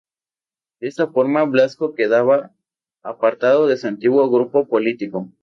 De esta forma Blasco quedaba apartado de su antiguo grupo político.